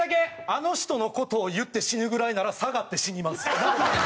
あの人の事を言って死ぬぐらいなら下がって死にます。